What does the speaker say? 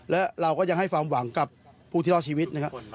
และเราก็ยังให้ความหวังกับผู้ที่รอดชีวิตนะครับ